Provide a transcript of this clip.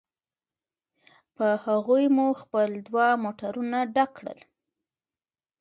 په هغوی مو خپل دوه موټرونه ډک کړل.